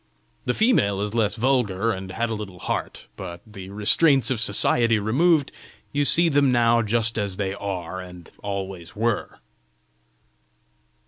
The female is less vulgar, and has a little heart. But, the restraints of society removed, you see them now just as they are and always were!"